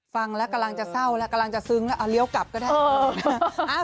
ฟังแล้วกำลังจะเศร้าแล้วกำลังจะซึ้งแล้วเอาเลี้ยวกลับก็ได้